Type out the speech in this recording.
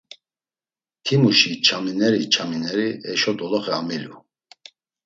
Ti muşi nçamineri nçamineri heşo doloxe amilu.